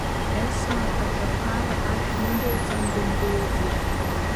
Есма аҿаԥара ашә ныдылҵан дындәылҵит.